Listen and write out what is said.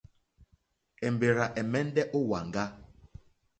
Èmbèrzà ɛ̀mɛ́ndɛ́ ó wàŋgá.